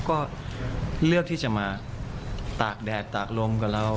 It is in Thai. ก็เลือกที่จะมาตากแดดตากลมกับเรา